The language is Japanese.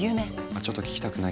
あちょっと聞きたくないかも。